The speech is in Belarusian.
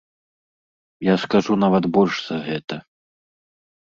Я скажу нават больш за гэта.